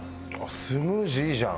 スムージーいいじゃん。